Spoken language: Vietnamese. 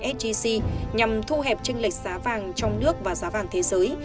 giá vàng sgc nhằm thu hẹp trinh lệch giá vàng trong nước và giá vàng thế giới